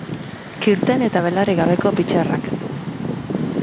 Kirten eta belarri gabeko pitxerrak.